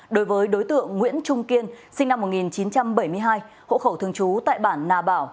đối với đối tượng nguyễn trung kiên sinh năm một nghìn chín trăm bảy mươi hai hộ khẩu thường trú tại bản nà bảo